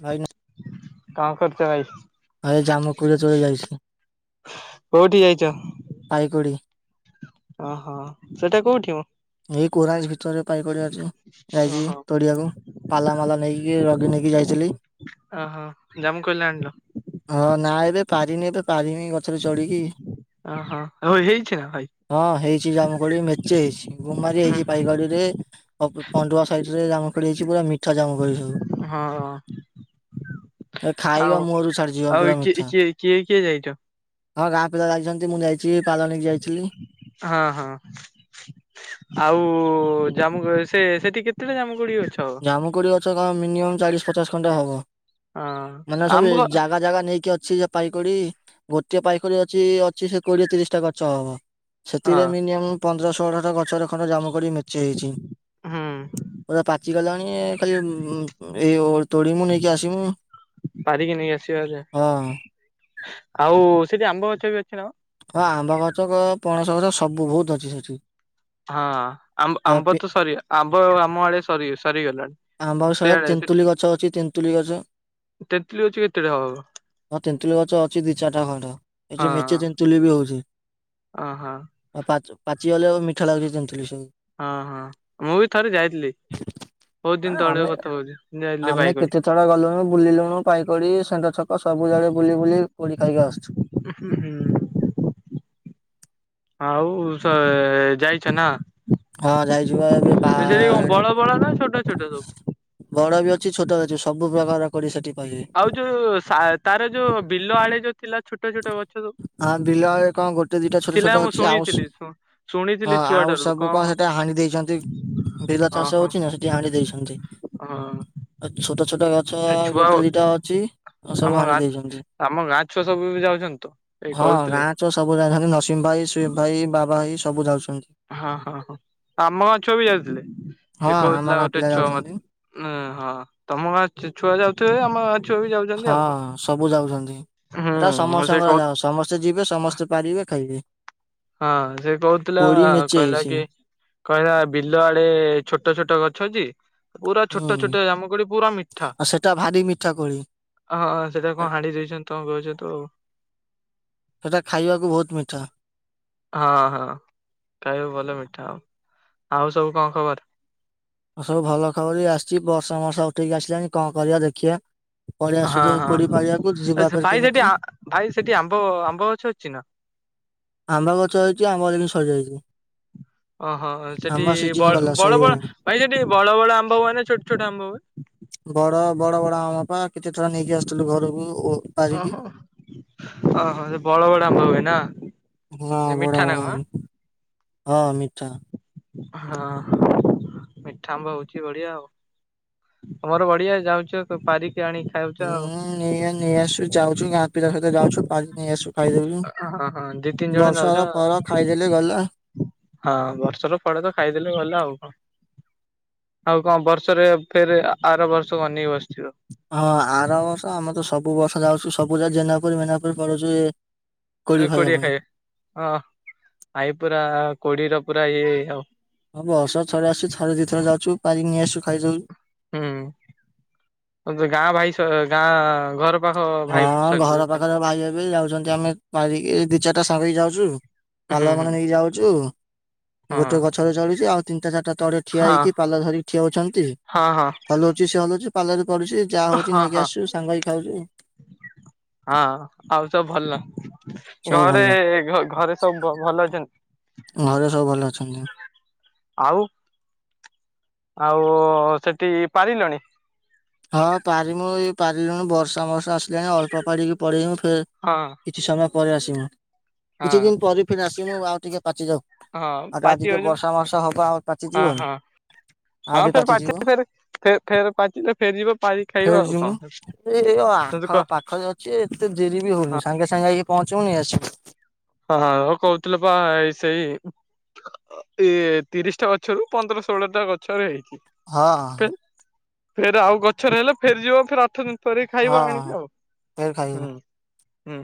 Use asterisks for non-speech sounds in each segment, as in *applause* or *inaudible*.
ଖାଇନୁ କଣ କରୁଚ ଭାଇ? ଜାମୁକୁଳି ତୋଳି ଯାଇଛି କୋଉଠିକି ଯାଇଛ? ପାଇକଡ଼ି। ଓହୋ। ସେଟା କୋଉଠି ମ? ଏଇ କୋରାଜ ଭିତରେ ପାଇକଡି ଅଛି। ଯାଇଛି, ଓହୋ। ତୋଡିଆକୁ ପାଲା ମାଲା ନେଇକି ରଗି ନେଇକି ଯାଇଥିଲି। ଓହୋ। ଜାମୁ କୋଳିଲା ଆଣିଲ? ବେ ପାରିନେଇ ତ ପାରିନେଇ ଗଛରେ ଚଢିକି, ଓହୋ ଆଉ ହେଇଛି ନା ଭାଇ ହଁ ହେଇଛି ଜାମୁକୋଳି ମେଚେ ହେଇଛି। ଗୁମାରି ଉଁ ହେଇଛି ହୁଁ ପାଇଗଡିରେ, ପ-ପଣ୍ଡୁଆ ସାଇଡରେ ଜାମୁ କୋଳି ହେଇଛି ପୁରା ମିଠା ଜାମୁ କୋଳି ସବୁ। ହଁ। ଏ ଖାଇବା ଆଉ ମୁହଁରୁ ଛାଡିଯିବ ପୁରା ଆଉ ମିଠା କିଏ କିଏ କିଏ କିଏ ଯାଇଚ? ହଁ ଗାଁ ପିଲା ଯାଇଛନ୍ତି ମୁଁ ଯାଇଛି ପାଲ ନେଇକି ଯାଇଥିଲି। ହଁ ହଁ ଆଉ ଜାମୁକୋଳି, ସେ ସେଠି କେତେଟା ଜାମୁକୋଳି ଅ ଜାମୁକୋଡି ଗଛ କଣ ମିନିମମ୍ ଚାଳିଶ ପଚାଶ ଖଣ୍ଡେ ହବ। ହଁ ମାନେ ସବୁ ଆମ୍ବ ଜା ଜାଗା ଜାଗା ନେଇକି ଅ ଅଛି ଯେ ପାଇକୋଡି, ଗୋଟିଏ ପାଇକଡି ଅଛି ଅଛି ସେ କୋଡିଏ ତିରିଶଟା ଗଛ ହବ। ସେଥିରେ ହଁ ମିନିୟମ୍ ପନ୍ଦରଶହଟା ତ ଗଛରେ ଖଣ୍ଡେ ଜାମୁକୋଡି ମେଚେ ହେଇଛି। ହୁଁ ପୁରା ପାଚି ଗଲାଣି ଏ ମୁଁ-ମୁଁ ଏଇ ତୋଡିମୁ ନେଇକି ଆସିମୁ। ପାରିକି ନେଇ ଆସିବା ହେରି ଆଉ। ହଁ। ଆଉ ସେଠି ଆମ୍ବ ଗଛ ବି ଅଛି ନା କଣ? ହଁ ଆମ୍ବ ଗଛ କ ପଣସ ଗଛ ସବୁ ବହୁତ ଅଛି ସେଠି। ହଁ ଆମ୍ୱ ଆ ଆମ୍ବ ପି ତ ସରି ଆମ୍ବ ଆମ ଆଡେ ସରି ସରିଗଲାଣି। ଆମ୍ୱ ଆଉ ସରି ସେଆଡେ ସେଠି ତେନ୍ତୁଲି ଗଛ ଅଛି ତେନ୍ତୁଲି ଗଛ। ତେନ୍ତୁଳି ଗଛ କେତେଟା ହବ ହଁ ତେନ୍ତୁଲି ଗଛ ଅଛି ଦୁଇ ଚାରିଟା ଖଣ୍ଡେ, ଏଠି ମେଚେ ତେନ୍ତୁଲି ବି ହଉଛି। ଓହୋ। ଆଉ ପାଚି ପାଚିଗଲେ ଆଉ ମିଠା ଲାଗୁଛି ତେନ୍ତୁଲି ସବୁ। ହଁ ହଁ ମୁଁ ବି ଥରେ ଯାଇଥିଲି। କିଛିଦିନ ହଁ ଆମେ ତଳିଅ କଥା କହୁଛି। ଯାଇଥିଲି ଆମେ ବାଇକ କରି। କେତେଥଳ ଗଲୁଣୁ ବୁଲିଲୁଣୁ ପାଇକଡି, ଷେଣ୍ଢ ଛକ, ସବୁ ଜାଡେ ବୁଲି ବୁଲି କୋଳି ଖାଇକି ଆସୁଛୁ। ହୁଁ ହୁଁ। ଆଉ ସେ ଯାଇଚ ନା? ହଁ ଯାଇଚି ପା ଏବେ ସେଠି କଣ ପା-ପାଣି ବଡ ବଡ ନା ଛୋଟ ଛୋଟ ସବୁ? ବଡ ବି ଅ ଅଛି ଛୋଟ ଅଛି ସବୁ ପ୍ରକାର କୋଡ଼ି ସେଠି। ପାଇବେ। ଆଉ ଯୋଉ ସା ତାର ଯୋଉ ବିଲ ଆଡେ ଯୋଉ ଥିଲା ଛୋଟ ଛୋଟ ଗ ହଁ ବିଲ କଣ ଆଡ଼େ କଣ ଗୋଟେ ଦିଟା ଛୋଟ ଥିଲା ଛୋଟ ମୁଁ ଅଛି, ଆଉ ସ ଶୁଣିଥିଲି। ହଁ ଶୁଣିଥିଲି ଆଉ ଛୁଆଠାରୁ ସବୁ କଣ ସେଟା ହାଣି ଦେଇଛନ୍ତି। ବିଲ ଚାଷ ଓହୋ ହଉଛି ନା ସେଠି ହାଣି ଦେଇଛନ୍ତି। ଆ ଛୋ ଛୋଟ ଛୋଟ ଗଛ ହଁ ଛୁଆ ଗୋଟେ ଦିଟା ଅଛି ଆଉ ସବୁ ଆମ ହାଣି ଗାଁ ଦେଇଛନ୍ତି। ଆମ ଗାଁ ଛୁଆ ସବୁ ବି ଯାଉଛନ୍ତି ତ। ଏଇ ହଁ କହୁଥିଲେ ଗାଁ ଛୁଆ ସବୁରା ଯାଉଛନ୍ତି। ନସିମ ଭାଇ, ସୁଇପ ଭାଇ, ବାବା ଭାଇ, ସବୁ ଯାଉଛ ହଁ ହଁ ହଁ ଆମ ଗାଁ ଛୁଅ ବି ଯାଇଥିଲେ। ହଁ ଆମ ଦେଖଉଥିଲା ଗାଁ ଗୋଟେ ପିଲା ଛୁଆ ମତେ ଯାଉଛନ୍ତି। ନାଇ ହଁ ତମ ଗାଁ ଚ-ଛୁଆ ଯାଉଥିବେ ଆମ ଗାଁ ଛୁଆ ବି ଯାଉଛନ୍ତି ହଁ ଆଉ କଣ। ସବୁ ଯାଉଛନ୍ତି। ଏଟା ହୁଁ ସେ ସମସ୍ତଙ୍କର କହୁ ଯାଅ ସମସ୍ତେ ଯିବେ ସମସ୍ତେ ପାରିବେ ଖାଇବେ। ହଁ ସେ କହୁଥିଲା କୋଳି ମେଞ୍ଚେ କହିଲା ହେଇଛି। କି କହିଲା ବିଲ ଆଡେ ଛୋଟ ଛୋଟ ଗଛ ଅଛି। ପୁରା ହୁଁ ଛୋଟ ଛୋଟ ଜାମକୋଳି ପୁରା ମିଠା। ଆଉ ସେଟା ଭାରି ମିଠା କୋଳି ଅ ଅ ସେଇଟା କଣ ହାଡି ଦେଇଛନ୍ତି ତମେ କହୁଚ ତ ଆଉ। ସେଟା ଖାଇବାକୁ ବହୁତ୍ ମିଠା। ହଁ ହଁ ଖାଇବ ଭଲ ମିଠା ଆଉ ଆଉ ସବୁ କଣ ଖବର। ଆ ସବୁ ଭଲ ଖବର ବି ଆସିଛି ବର୍ଷ ମର୍ଷା ଉଠେଇକି ଆସିଲାଣି କଣ କରିବା ଦେଖିଆ। ପଳି ଆସିଛୁ ହଁ ତ ହଁ ପୁରୀ ଦେଖିବାକୁ ଯିବା ଆଚ୍ଛା ପେରେ ଭାଇ ସେଠି କେମିତି? ଆ ଭାଇ ସେଠି ଆମ୍ବ ଆମ୍ବ ଗଛ ଅଛି ନା? ଆମ୍ବ ଗଛ ହେଇଛି ଆମ୍ବ କିନ୍ତୁ ସରିଯାଇଛି। ଓହୋ ଆମ୍ବ ସେଠି ସିଜିନ ବ ଗଲା ବଡ ସରିଗଲାଣି ବଡ ଭାଇ ସେଠି ବଡ ବଡ ଆମ୍ବ ହୁଏ ନା ଛୋଟ ଛୋଟ ଆମ୍ବ ହୁଏ। ବଡ ବଡ ବଡ ବଡ ଆମ୍ବ ପା କେତେ ଥର ନେଇକି ଆସିଥିଲୁ ଘରକୁ। ଓ ପାରିକି ଓହୋ ଓହୋ ସେ ବଡ ବଡ ଆମ୍ବ ହୁଏ ନା। ହଁ ଏ ବଡ଼ ମିଠା ନା ବଡ଼ କଣ ଆମ ହଁ ମିଠା। ହଁ ମିଠା ଆମ୍ବ ହଉଛି ବଢିଆ ଆଉ। ତମର ବଢିଆ ଯାଉଛ ପାରିି ହୁଁ ନେଇଆ ନେଇ ଆସଛୁ ଯାଉଛୁ ଗାଁ ପିଲା ଙ୍କ ସହିତ ଯାଉଛୁ ପାରି ନେଇ ଆସଛୁ। ହଁ ହଁ ଦି ତିନି ଜଣ ଯାଉଛ ଫର ଖାଇଦେଲେ ଗଲା। ଆଉ। ହଁ ବର୍ଷର ଫଳ ତ ଖାଇଦେଲେ ଗଲା ଆଉ କଣ। ଆଉ କଣ ବର୍ଷରେ ଫେର ଆର ବର୍ଷ ବନେଇକି ବସିଥିବ। ହଁ ଆର ବର୍ଷ ଆମ ତ ସବୁ ବର୍ଷ ଯାଉଚୁ ସବୁ ଯା ଜେନାପୁରୁ ମେନାପୁରୁ ପଡୁଛି। ନା କୋଡିଏ ଖାଏ ହଁ ଆଈ ପୁରା କୋଡିର ପୁରା ଇଏ ଆଉ। ହଁ ବସ ଥରେ ଆସୁଛି ଥରେ ଦି ଥରେ ଯାଉଛୁ ପାରିକି ନେଇ ଆସୁଚୁ ଖାଇଦେଉଚୂ। ହୁଁ ଗାଁ ଭାଇ ସ ଗାଁ ଘର ପାଖ ହଁ ଭାଇ ସରି ଘର ହୁଁ ପାଖରେ ଭାଇ ହେବେ ଯାଉଛନ୍ତି। ଆମେ ପାରିକି ଦି ଚାରିଟା ସାଙ୍ଗ ହେଇ ଯାଉଛୁ ହୁଁ ପାଲ ହଁ। ମାନେ ନେଇକି ଯାଉଛୁ। ଗୋଟେ ଗଛରେ ଚଡିଛି ଆଉ ତିନିଟା ଚାରିଟା ତଳେ ଠିଆ ହଁ ହେଇକି ପାର୍ଲାର ଧରିକି ଠିଆ ହୋଇଛନ୍ତି ହଁ ହଁ ହଲଉଛି ସେ ହଲଉଛି ସେ ପାଲରେ କରୁଛି ଯାହା ହଉଛି ହଁ ନେଇକି ହଁ ଆସୁଛୁ ସାଙ୍ଗଇ ଖାଉଛୁ। ହଁ ଆଉ ସବୁ ଭଲ? ସବୁ ଘରେ ଭଲ। ଘରେ ସବୁ ଭଲ ଅଛନ୍ତି। ଘରେ ସବୁ ଭଲ ଅଛନ୍ତି। ଆଉ ଆଉ ସେଠି ପାରିଲଣି? ହଁ ପାରମୁ ଏ ପାରିଲୁଣି ବର୍ଷା ବର୍ଷ ଆସିଲାଣି ଅଳ୍ପ ପାଡିକି ପଡେଇମୁ। ଫ ହଁ କିଛି ସମୟ ପରେ ଆସି ମୁଁ ହଁ କିଛି ଦିନ ପରେ ଫେରେ ଆସି ମି ଆଉ ଟିକେ ପାଚି ଯାଉ ହଁ ଆ ପାଚି ଆଜି ଯେ ଯାଉଛୁ ବର୍ଷା ମର୍ଷା ହବ ଆମର ପାଚୀ ହଁ ଜୀବନି। ହଁ ହଁ ଫେରେ ପାଚିଲେ ଫେର ଫେର ପାଚିଲେ ଫେରି ଯିବ। ଫେରେ ଯିମୁଁ ଏ ର ଆଖ କହ ପାଖରେ ଅଛି ଏତେ ଦେରି ବି ହଁ ହଉନି ସାଙ୍ଗେ ସାଙ୍ଗେ ହେଇ ପହଞ୍ଚ ପୁଣି ଆସିବୁ। ହଁ ଆଉ କହୁଥିଲ ବା ଏଇ ସେଇ ଇ ତିରିଶଟା ଗଛରୁ ପନ୍ଦର ଷୋହଳ ଟା ଗଛରେ ହେଇ ହଁ। ଫେରେ ଆଉ ଗଛରେହଲେ ଫେରିଯିବ ଫେରେ ଆଠ ଦିନ ପରେ କରିକି ହଁ ଖାଇବ ଆଣିକି ଆଉ ଫେର ଖାଇବୁ ହୁଁ। ହୁଁ।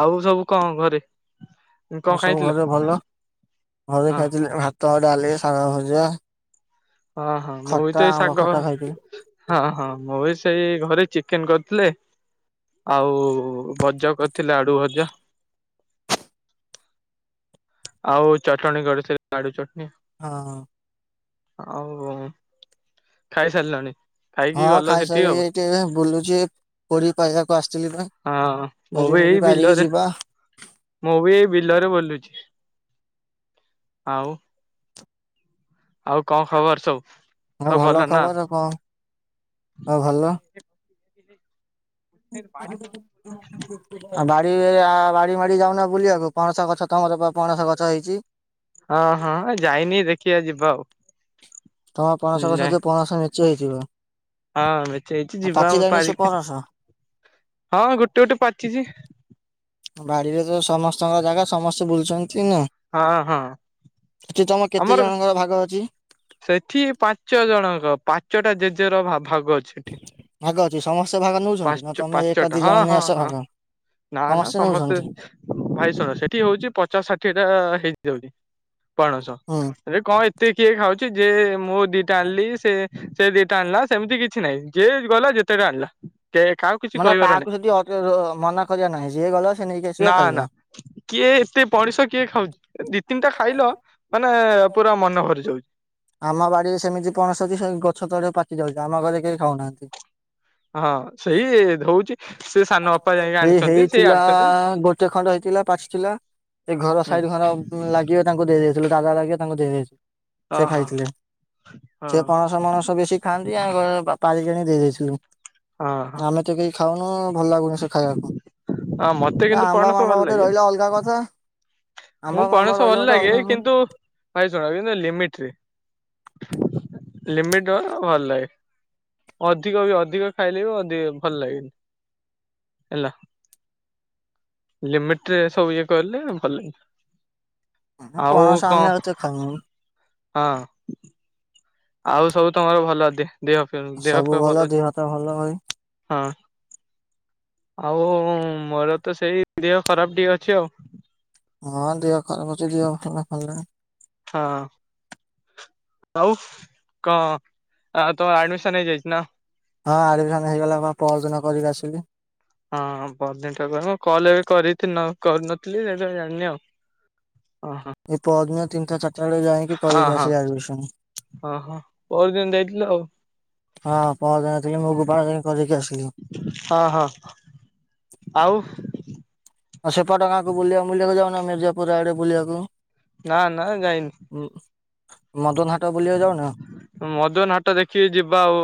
ଆଉ ସବୁ କଣ ଘରେ? କଣ ମୁଁ ସବୁ ଖାଇଥିଲ ଘରେ ଭଲ ଘରେ ହଁ ଖାଇଥିଲି ଭାତ, ଡାଲି, ସାଗ ଭଜା। ହଁ ହଁ ମୁଁ ବି ଖଟା ତ ଏଇ ଆମ୍ବ ଶାଗ ଖଟା ଖାଇଥିଲି ହଁ ହଁ ମୁଁ ବି ସେଇ ଘରେ ଚିକେନ କରି ଥିଲେ ଆଉ ଭଜା କରିଥିଲେ ଆଡୁ ଭଜା। *inaudible* ଆଉ ଚଟଣି କରିଥିଲେ ଆଳୁ ଚଟଣି। ହଁ। ଆଉ ଖାଇସାରିଲାଣି? ହଁ ଖାଇସାରିକି ଏଠିରେ ବୁଲୁଛି ପୂରି। *unintelligible* ହଁ ମୁଁ ବି ଏଇ ପାରିକି ବିଲରେ ଯିବା ମୁଁ ବି ଏଇ ବିଲରେ ବୁଲୁଛି। ଆଉ ଆଉ କଣ ଖବର ସବୁ? ହଉ ସବୁ ଭଲ ନା? ଖବ କଣ ହଁ ଭଲ? ଆଉ ବାଡ଼ିରେ ଆ ବାଡ଼ି ମାଡ଼ି ଯାଉନା ବୁଲିବାକୁ ପଣସ ଗଛ ତମର ପଣସ ଗଛ ହେଇଛି। ହଁ ହଁ ଯାଇନି ଦେଖିବା ଯିବା ଆଉ। ତମର ପଣଷ ନାଇଁ ଗଛରେ ପଣଷ ମେଞ୍ଚେ ହେଇଥିବ। ହଁ ମେଞ୍ଚେ ହେଇଚି ଯିବା ଆଉ ପାଚିଲାଣି ସେ ପାରିବା। ପଣସ। ହଁ ଗୋଟେ ଗୋଟେ ପାଚିଛି। ବାଡିରେ ତ ସମସ୍ତଙ୍କ ଜାଗା ସମସ୍ତେ ବୁଲୁଛନ୍ତି। ନା ହଁ ହଁ। ସେଠି ତମ କେତେ ଆମର ଜଣଙ୍କର ଭାଗ ଅଛି। ସେଠି ପାଞ୍ଚ ଜଣଙ୍କ ପାଞ୍ଚଟା ଜେଜେର ଭା ଅଛି ଏଠି ଭାଗ ଅଛି ସମସ୍ତେ ଭାଗ ନଉଛନ୍ତି ନା ତମେ ଏକ ଦି ପା-ପାଞ୍ଚଟା ହଁ ଜଣ ନେଇ ହଁ ଆସ ହଁ। ଭାଗ ନା ନା ସମସ୍ତେ ଭାଇଶରା ସେଠି ହଉଛି ପଚାଶ ଷାଠିଏ ଟା ହେଇଯାଉଚି। ପାଣସ ହୁଁ ରେ କଣ ଏତେ କିଏ ଖାଉଛି ଯେ ମୋ ଦିଟା ଆଣିଲି ସେ ସେ ଦିଟା ଆଣିଲା ସେମିତି କିଛି ନାହିଁ ଯିଏ ଗଲା ଯେତେଟା ଆଣିଲା। କେ କାହାକୁ କିଛି ମାନେ କହିବାର ନାହିଁ। କାହାକୁ ସେଠି ଅଧ ମନା କରିବାର ନାହିଁ ଯିଏ ଗ ନା ନା କିଏ ଏତେ ପଣିସ କିଏ ଖାଉଛି ଦି ତିନିଟା ଖାଇଲ ମାନେ ପୁରା ମନ ଭରି ଯାଉଛି ଆମ ବାଡିରେ ସେମିତି ପଣସ ଅଛି ସେଇ ଗଛ ତଳେ ପାଚି ଯାଉଛି ଆମ ଘରେ କେହି ଖାଉନାହାନ୍ତି। ହଁ ସେଇ ଧଉଛି ସେ ସାନ ବାପା ଯାଇକି ଏ ଆଣିଛନ୍ତି ସେ ହେଇଥିଲା ଆଣିଛନ୍ତି। ଗୋଟେ ଖଣ୍ଡ ହେଇଥିଲା ପାଚି ଥିଲା।। ସେ ଘର ହୁଁ ସାଇଡ ଘର ଲାଗିବେ ତାଙ୍କୁ ଦେଇ ଦେଇେଇଥିଲୁ ଦାଦା ଲାଗିବେ ତାଙ୍କୁ ଦେଇ ଦେଇଥିଲୁ। ସେ ଓହୋ ଖାଇଥିଲେ। ହଁ ସେ ପଣସ ମଣସ ବେଶୀ ଖାଆନ୍ତି ଆ ବାପା ଆଜି ଜଣେ ଦେଇ ଦେଇଥିଲୁ ହଁ ଆମେ ତ କେଇ ଖାଉନୁ ଭଲ ଲାଗୁନି ସେ ଖାଇବାକୁ, ହଁ ମତେ ଆରେ କିନ୍ତୁ ଆମ୍ବ ପଣସ ମାମ୍ବ ଭଲ ଗୋଟେ ଲାଗେ ଧଇଲ ଅଲଗା କଥା ଆମ୍ବ ମୁଁ ମାମ୍ବ ପଣସ ରହିଲା ଭଲ ଗୋଟେ ଲାଗେ ଅଲଗା କିନ୍ତୁ ଭାଇ ଶୁଣ ଲିମିଟରେ। ଲିମିଟର ଭଲ ଲାଗେ। ଅଧିକ ବି ଅଧିକ ଖାଇଲେ ବି ଅଦି ଭଲ ଲାଗନି। ହେଲା, ଲିମିଟରେ ସବୁ ଇଏ କିରିଲେ ଭଲ। ଆଉ ପଣସ କଣ ଆମେ ଏତେ ଖାଉନୁ ହଁ। ଆଉ ସବୁ ତମର ଭଲ ଦେ ଦେହ ଫିଅ ଦେହ ସବୁ ଫିଅ ଭଲ ଅଛି? ଦେହ ହାତ ଭଲ ଭାଇ ହଁ। ଆଉ ମୋର ତ ସେଇ ଦେହ ଖରାପ ଟିକେ ଅଛି ଆଉ ହଁ ଦିଅ ଖରାପ ଅଛି ଯାଉଥିଲେ ଫଲେ ହଁ। ଆଉ କଣ ଅ ତମ ଆଡମିସନ ହେଇ ଯାଇଛି ନା? ହଁ ଆଡମିସନ ହେଇଗଲା ପା ପରଦିନ କରିକି ଆସିଲି। ହଁ ବଦିନଟ ମୁଁ କଲ ଏ କରିଥିଲ କରିୁନଥିଲି ଏବେ ଜାଣିନି ଆଉ ହଁ ଏ ପରଦିନ ତିନ ଟା ଚାର ତାହେଲେ ଯାଇକି ହଁ କରିକି ହଁ ଆସିବି ଆଡ଼ମିସନ। ଓହୋ ପରଦିନ ଯାଇଥିଲ ଆଉ ହଁ ପହର ଦିନଥିଲି ମୁଁ ଗୋପାର ଦିନ କରିକି ଆସିଲି। ହଁ ହଁ ଆଉ? ଆଉ ସେପଟ ଗାଁକୁ ବୁଲିବା ମୁଲିବାକୁ ଯାଉନ ମ ମିର୍ଜାପୁର ଆଡେ ବୁଲିବାକୁ। ନା ନା ଯାଇନି। ମଦନ ହାଟ ବୁଲିବାକୁ ଯାଉନ? ମଦନ ହାଟ ଦେଖିକି ଯିବା ଆଉ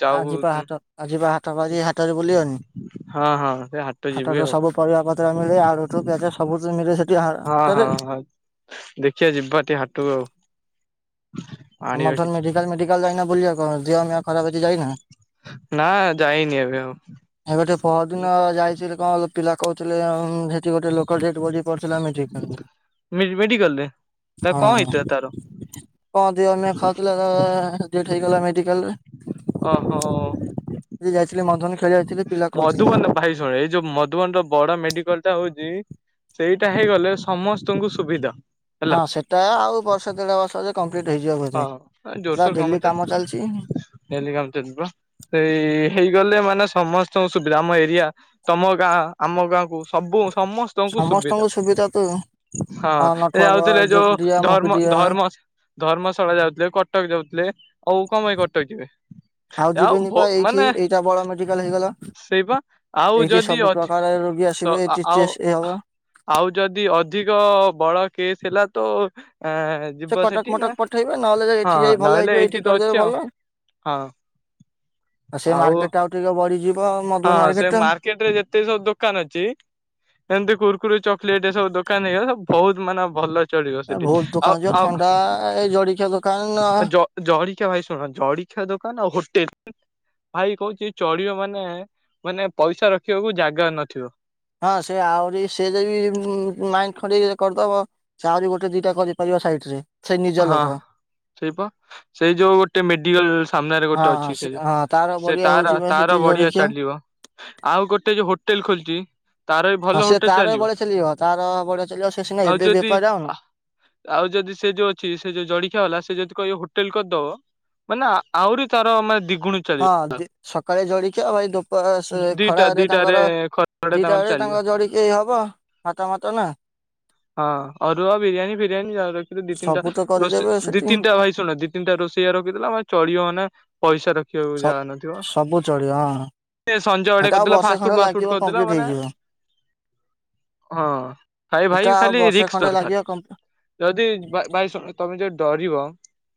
ଯାଉ ଆଜିିବା ହାଟ, ଆଜିିବା ହାଟ ବାର ହାଟରେ ବୁଲିିବାନି। ହଁ ହଁ ସେ ହାଟ ଯିବି ହଠାତ ଆଉ ସବୁ ପରିବା କ ତ ମିଳେ ଆଳୁଟୁ ପିଆଜ ସବୁ ତ ମିଳେ ସେଠି ହଁ ହାଟରେ। ହଁ ହଁ ଦେଖିବା ଯିବା ଟିକେ ହାଟକୁ ଆଉ ଆମ ଆଣିବା ଧର କିଛି ମେଡିକାଲ, ମେଡିକାଲ ଯାଇନା ବୁଲିବାକୁ ଦେହ ମିଆଁ ଖରାପ ହେଇଛି ଯାଇନା? ନା ଯାଇନି ଏବେ ଆଉ ଏବଟେ ପଦିନ ଯାଇଥିଲୁ କଣ ପିଲା କହୁଥିଲେ, ସେଠି ଗୋଟେ ଲୋକାଲ ଡେଡବଡି କରିଥିଲା ମ୍ୟାଜିକ, ମେଡିକାଲରେ ତା କଣ ହେଇଥିଲା ତାର ହଁ ଯ ଆମେ ଖାଉଥିଲା, ଡେଥ ହେଇଗଲା ମେଡିକାଲ ରେ। ଓ ହୋ ହ ମନ ଧୋ *unintelligible* ମଧୁବନ ଭାଇ ଶୁଣ, ଏଇ ଯୋଉ ମଧୁବନ ର ବଡ ମେଡିକାଲ ଟା ହଉଛି ସେଇ ଟା ହେଇଗଲେ ସମସ୍ତଙ୍କୁ ସୁବିଧା ହେଲା ହଁ ସେଟା ଆଉ ବର୍ଷ ଦେଢ ବର୍ଷ ଯ ହଁ ଜୋରସୋର କାମ ଚାଲିଛି ଡେଲି କମ ଚାଲିବ। ସେଇ ହେଇଗଲେ ମାନେ ସମସ୍ତଙ୍କୁ ସୁବିଧା ଆମ ଏରିଆ ତମ ଗାଁ ଆମ ଗାଁକୁ ସବୁ ସମସ୍ତଙ୍କୁ ସୁବିଧା। ହଁ ଅ ଏ ନଠୁଆବ ଯାଉଥିଲେ ଯୋଉ ଯୋଗଡିଆ ଧର୍ମ, ମୁକୁଡିଆ ଧର୍ମ ଧର୍ମଶାଳା ଯାଉଥିଲେ, କଟକ ଯାଉଥିଲେ, ଆଉ କଣ ପାଇଁ କଟକ ଯିବେ? ଆଉ ଯିବେନିପା ଏଇଠି, ଏଇଟା ବଡ ମେଡିକାଲ ହେଇଗଲା। ସେଇପା ଆଉ ଏଇଠି ଯଦି ସବୁ ଅ ପ୍ରକାର ରୋଗୀ ଆସିବେ ଏଠି ଆଉ ଟେଷ୍ଟ ଇଏ ହବ ଆଉ ଯଦି ଅଧିକ ବଡ କେସ୍ ହେଲା ତ, ଅ ସେ ଯିବ କଟକ ସେଠି ମଟକ ନା ପଠେଇବେ ନହେଲେ ଯ ହଁ ଏଇଠି ଯାଇ ଭଲ ନହେଲେ ହେଇଯିବ, ଏଇଠି ତ କରିଦେବେ ଅଛି ଆଉ ଭଲ। ହଁ ଆଉ ସେ ମାର୍କେଟ ଟା ଆଉ ଟିକେ ବଢିଯିବ ହଁ ମଧୁବନୀ ସେ ଟା। ମାର୍କେଟ ରେ ଯେତେ ସବୁ ଦୋକାନ ଅଛି, ଏମତି କୁୁରକୁରି ଚକଲେଟ ଏ ସବୁ ଦୋକାନ ଦୋକାନ ହେଇଗଲା, ବହୁତ ମାନେ ଭଲ ଚଳିବ ଏ ସେଠି, ବହୁତ ଦୋକାନ ଯିବ ଆଉ ଆଉ ଥଣ୍ଡା ଏଇ ଜଳଖିଆ ଦୋକାନ ଜରି ଟିକେ ଭାଇ ଶୁଣ ଜଳିଖିଆ ଦୋକାନ ଆଉ ହୋଟେଲ, ଭାଇ କହୁଛି ଚଡିିବ ମାନେ ମାନେ ପଇସା ରଖିବାକୁ ଜାଗା ନଥିବ। ହଁ ସେ ଆହୁରି ସେ ଯ ମାଇଣ୍ଡ ଖଣ୍ଡ କରିଦବ, ସେ ଆହୁରି ଗୋଟେ ଦିଟା କରିପାରିବ। ସାଇଟ୍ ରେ ସେ ନିଜ ହଁ। ଲୋକ ସେଇପା, ସେଇ ଯୋଉ ଗୋଟେ ମେଡିକାଲ ସାମ୍ନରେ ହଁ ଗୋଟେ ହଁ ଅଛି, ସେ ଯୋଉ ହଁ ତାର ସେ ବଢିଆ ତାର, ହଉଛି ବା ତାର ସେଠି ବଢିଆ ଜଳଖିଆ। ଚାଲିବ ଆଉ ଗୋଟେ ଯୋଉ ହୋଟେଲ ଖୋଲିଛି। ତାର ବି ଭଲ ହଁ ସେ ହୋଟେଲ ତାର ଏ ବଳିଆ ଚାଲିବ, ତାର ବଳିଆ ଚାଲିବ, ସେ ସିନା ଆଉ ଏବେ ଯଦି ବେପାର ଡାଉନ୍। ଆଉ ଯଦି ସେ ଯୋଉ ଅଛି ସେ ଯୋଉ ଜଲିଖିଆବାଲା, ସେ ଯଦି କହ ହୋଟେଲ କରିଦବ, ମାନେ ଆହୁରି ତାର ମାନେ ଦି ହଁ ସକାଳେ ଜଳିକିଆ ଆଉ ଭାଇ ଧପ ସେ ଦିଟା ଖରାରେ ଦିଟାରେ ତାଙ୍କର ଖରାଟା ଦିଟା ତାଙ୍କର ବେଳେ ଚାଲିବ। ତାଙ୍କ ଜଡିକି ହବ ହତା ମାତ ନ ହଁ ଅରୁଆ, ବିରିୟାନୀ ଫିରିୟାନୀ, ରଖି ଦି ତିନଟା ସବୁ ତ ରୋଷ କରିଦେବେ ଦିଇ ସେଠି ତିନଟା ଭାଇ ଶୁଣ ଦି ତିନଟା ରୋଷ ସେଇଆ ରଖିଥିଲା, ଆମେ ଚଳିବ ନା ପଇସା ରଖିବାକୁ ସ ଯା ନଥିବ। ସବୁ ଚଳିବ ହଁ ସଞ୍ଜୟ ବଡେ ହେଟା ଆଉ କରିଥିଲା, ବର୍ଷେ ଫାଷ୍ଟଫୁଡ ଖଣ୍ଡେ ଫାଷ୍ଟଫୁଡ ଲାଗିବ କରିଥିଲା କମ୍ପ୍ଲିଟ ମାନେ ହେଇଯିବ। ହଁ ଭାଇ, ସେଟା ଭାଇ ଆଉ ଖାଲି ବର୍ଷେ ରିକ୍ସ ଖଣ୍ଡେ ଦରକାର, ଲାଗିବ କମ୍ପ ଯଦି ତମେ ଯ ଡରିବ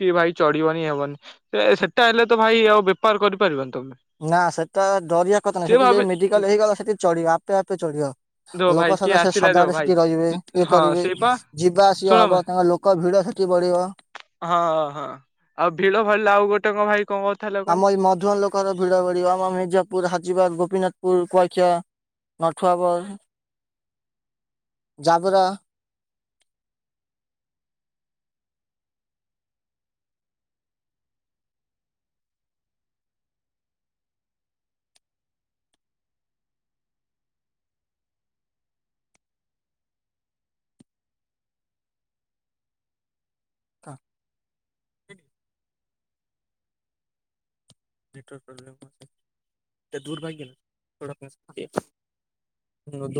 କି ଭାଇ ଚଳିବନି ହେବନି, ସେ ସେଟା ହେଲେ ତ ଭାଇ ଆଉ ବେପାର କରିପାରିବନି। ତମେ। ନା ସେଟା ଡରିବା କଥା ନାହିଁ, ସିଏ ସେଠି ଯ ଭାବେ ମେଡିକାଲ ହେଇଗଲା, ସେଠି ଚଢିବ ଆପେ ଆପେ ଚଢିବ ଦୋ ଭାଇ ଲୋକ ସେ କିଏ ଆସିଲା ଦୋ ସଜାବେେଳେ ଭାଇ ସେଠି ରହିବେ ଇଏ ହଁ କରିବି, ସେଇ ପା ଯିବା ଶୁଣ ଆସିବା ଭାଇ ହବ, ତାଙ୍କ ଲୋକ ଭିଡ ସେଠି ବଢିବ ହଁ, ହଁ, ଆଉ ଭିଡ ଭଲିଲ ଆଉ ଗୋଟେ କଣ ଭାଇ କଣ କହୁଥିଲା କହନି? ଆମ ଏଇ ମଧୁଆ ଲୋକର ଭିଡ ଭଡିବ ଆମ ମିର୍ଜାପୁର ହ ଯିବା ଗୋପୀନାଥପୁର, କୁଆଖିଆ, ନଠୁଆବର ଜାବରା *unintelligible* ନେଟୱାର୍କ ପ୍ରୋବ୍ଲେମ ଅଛି। *unintelligible*